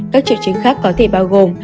các triệu chứng khác có thể bao gồm